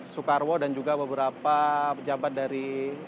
soekarwo dan juga beberapa pejabat dari